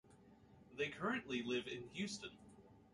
They currently live in Houston.